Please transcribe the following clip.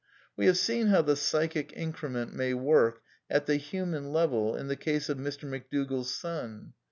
We have seen how the " psychic increment may work at the human level in the case of Mr. McDougall's son.